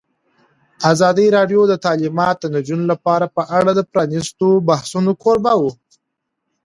ازادي راډیو د تعلیمات د نجونو لپاره په اړه د پرانیستو بحثونو کوربه وه.